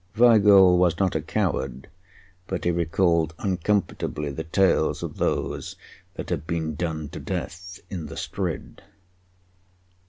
Weigall was not a coward, but he recalled uncomfortably the tales of those that had been done to death in the Strid.